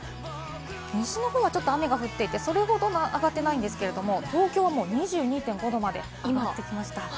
西のほうはちょっと雨が降っていて、それほどは上がっていないんですけれども、東京はもう２２．５度まで上がってきました。